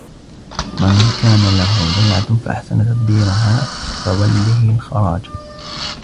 وَمَنْ كَانَتْ لَهُ ضَيْعَةٌ فَأَحْسَنَ تَدْبِيرِهَا فَوَلِّهِ الْخَرَاجَ